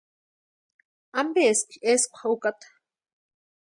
¿Ampeeski eskwa úkata?